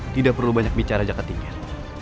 tidak perlu banyak bicara jaket tiket